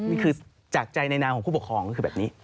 นี่คือจากใจในนามของผู้ปกครองก็คือแบบนี้